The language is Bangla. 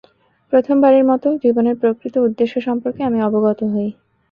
প্রথমবারের মতো জীবনের প্রকৃত উদ্দেশ্য সম্পর্কে আমি অবগত হই।